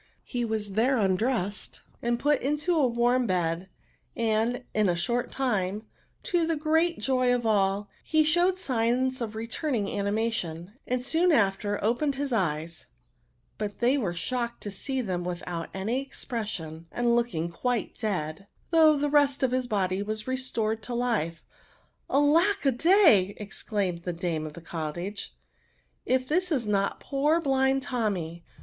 He was there imdressed and put into a warm bed ; and, in a short time, to the great joy of all, he showed signs of returning animation, and soon after opened his eyes : but they were shocked to see them without any expression, and looking quite dead, though the rest of his body was restored to life. '^ Alack a day !" exdaimed the dame of the cottage, " if this is not poor blind Tommy